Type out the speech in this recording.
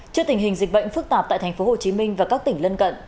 trước tình hình dịch bệnh phức tạp tại thành phố hồ chí minh và các tỉnh lân cận